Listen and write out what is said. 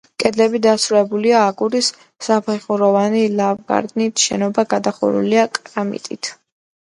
კედლები დასრულებულია აგურის საფეხუროვანი ლავგარდნით, შენობა გადახურულია კრამიტით.